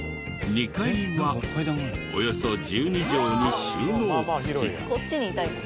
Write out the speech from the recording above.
２階はおよそ１２畳に収納付き。